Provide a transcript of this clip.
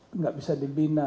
tidak bisa dibina